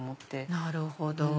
なるほど。